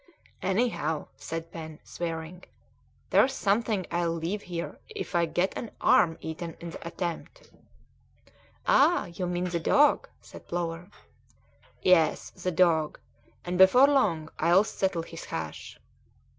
"Anyhow," said Pen, swearing, "there's something I'll leave here if I get an arm eaten in the attempt." "Ah! you mean the dog," said Plover. "Yes, the dog; and before long I'll settle his hash!"